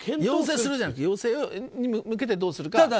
要請するじゃなくて要請に向けてどうするか。